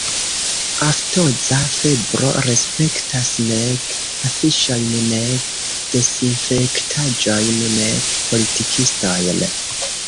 Aftoza febro respektas nek afiŝojn, nek desinfektaĵojn, nek politikistojn.